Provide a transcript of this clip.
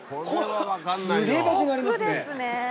すげぇ場所にありますね。